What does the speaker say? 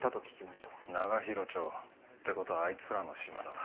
長広町。って事はあいつらのシマだな。